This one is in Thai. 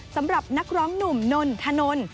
สำหรับนักร้องหนุ่มนนทนน